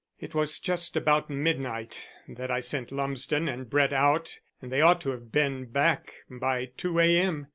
"It was just about midnight that I sent Lumsden and Brett out and they ought to have been back by 2 a. m.